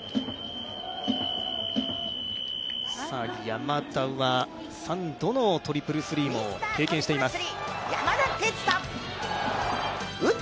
山田はどのトリプルスリーも経験しています。